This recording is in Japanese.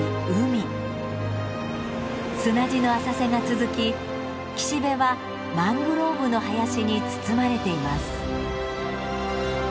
砂地の浅瀬が続き岸辺はマングローブの林に包まれています。